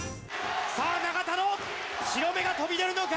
さあ永田の白目が飛び出るのか？